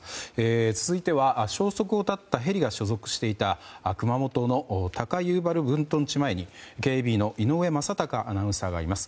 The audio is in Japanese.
続いては消息を絶ったヘリが所属していた熊本の高遊原分屯地前にＫＡＢの井上聖貴アナウンサーがいます。